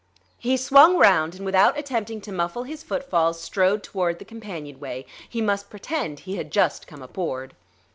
He swung round and without attempting to muffle his footfalls strode toward the companionway. He must pretend he had just come aboard.